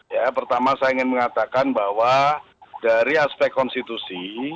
ya pertama saya ingin mengatakan bahwa dari aspek konstitusi